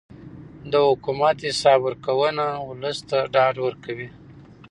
د حکومت حساب ورکونه ولس ته ډاډ ورکوي